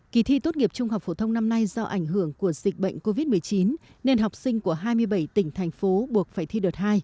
kỳ thi tốt nghiệp trung học phổ thông năm nay do ảnh hưởng của dịch bệnh covid một mươi chín nên học sinh của hai mươi bảy tỉnh thành phố buộc phải thi đợt hai